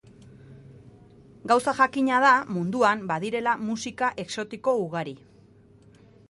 Gauza jakina da munduan badirela musika exotiko ugari.